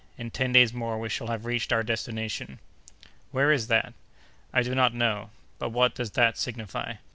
In ten days more we shall have reached our destination." "Where is that?" "I do not know. But what does that signify?"